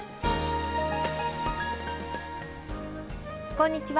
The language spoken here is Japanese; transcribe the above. こんにちは。